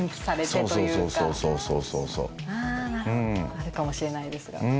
あるかもしれないですが。